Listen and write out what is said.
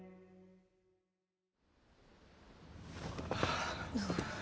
ああ。